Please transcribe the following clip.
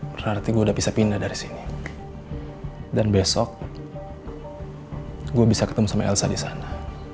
berarti gue udah bisa pindah dari sini dan besok gue bisa ketemu sama elsa di sana